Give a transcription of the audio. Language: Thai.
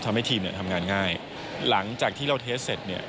ทำให้ทีมเนี่ยทำงานง่ายหลังจากที่เราเทสเสร็จเนี่ย